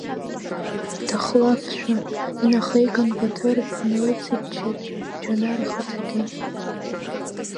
Дахлафшәа инахиган, Баҭыр днаицыччеит Џьанар ихаҭагьы.